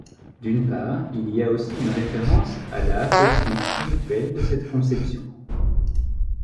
D’une part il y aussi une référence à la affection spirituelle de cette conception.